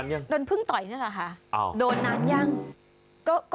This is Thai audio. พึ่งมันต่อยกวนใจร่วงนี่